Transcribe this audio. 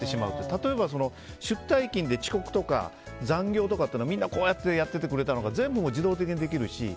例えば、出退勤で遅刻とか残業とかってみんな、こうやってたのが全部自動的にできるし。